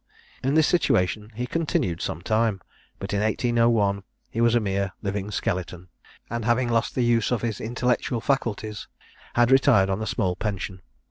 In this situation he continued some time, but in 1801 he was a mere living skeleton; and, having lost the use of his intellectual faculties, had retired on a small pension.